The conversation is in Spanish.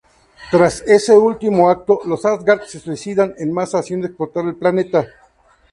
Tras ese último acto, los Asgard se suicidan en masa haciendo explotar el planeta.